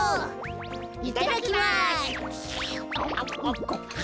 いただきます！